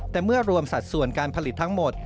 แต่เมื่อรวมสัดส่วนการผลิตทั้งหมด